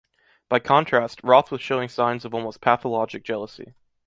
By contrast, Roth was showing signs of almost pathologic jealousy.